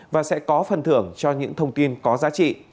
và sẽ có phần thưởng cho những thông tin có giá trị